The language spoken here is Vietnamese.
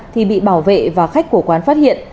thì bị bảo vệ và khách của quán phát hiện